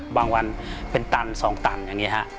วันเป็นตัน๒ตันอย่างนี้ฮะ